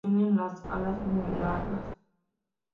Tienen las alas muy largas.